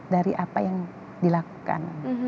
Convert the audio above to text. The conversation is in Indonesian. dari apa yang dilakukan